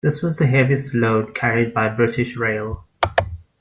This was the heaviest load carried by British Rail.